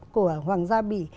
của hoàng gia bỉ